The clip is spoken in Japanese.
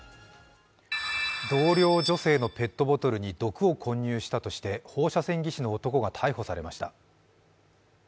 同僚女性のペットボトルに毒を混入したとして放射線技師の男が逮捕されました。